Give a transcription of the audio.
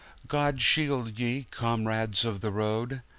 God shield ye, comrades of the road!